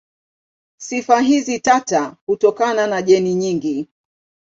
Sifa hizi tata hutokana na jeni nyingi.